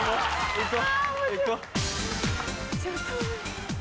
行こう。